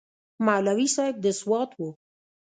مولوي صاحب د سوات و.